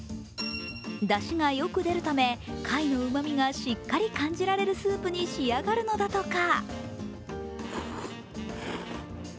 だしがよく出るため、貝のうまみがしっかり感じられるスープに仕上がるのだとか。